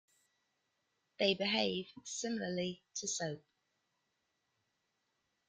They behave similarly to soap.